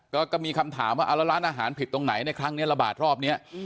ก็มีคำถามว่าเอาแล้วร้านอาหารผิดตรงไหนในครั้งนี้ระบาดรอบนี้